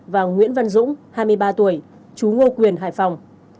và nguyễn văn dũng hai mươi ba tuổi chú ngô quyền hải phòng